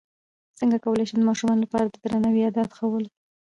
څنګه کولی شم د ماشومانو لپاره د درناوي عادت ښوول